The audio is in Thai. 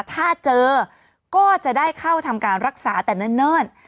ถ้าเจอก็จะได้เข้าทำการรักษาแต่เนิ่น